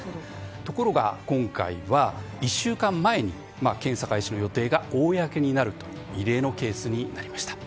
ところが、今回は１週間前に検査開始の予定が公になるという異例のケースになりました。